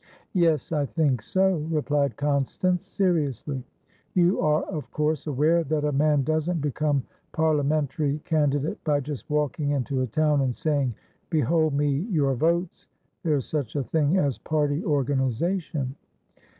"Yes, I think so," replied Constance, seriously. "You are of course aware that a man doesn't become parliamentary candidate by just walking into a town and saying'Behold me! Your votes!' There is such a thing as party organisation."